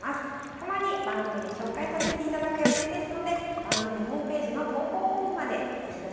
たまに番組で紹介させていただく予定ですので番組ホームページの投稿フォームまでどしどしお送りください。